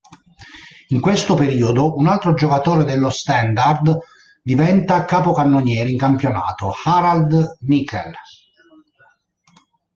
In questo periodo un altro giocatore dello Standard diventa capocannoniere in campionato, Harald Nickel.